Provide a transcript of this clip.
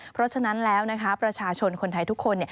เพราะฉะนั้นแล้วนะคะประชาชนคนไทยทุกคน